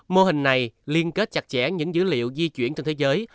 mô hình này liên kết chặt chẽ những dữ liệu di chuyển trên thế giới